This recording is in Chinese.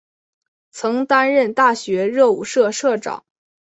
曾担任大学热舞社社长。